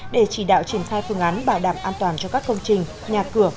để chỉ đạo triển khai phương án bảo đảm an toàn cho các công trình nhà cửa